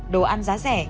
đồ ăn giá rẻ